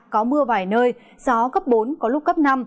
có mưa vài nơi gió cấp bốn có lúc cấp năm